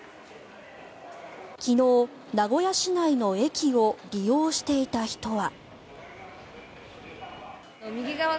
昨日、名古屋市内の駅を利用していた人は。